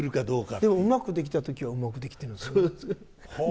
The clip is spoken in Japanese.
でもうまくできた時はうまくできてるんですよね。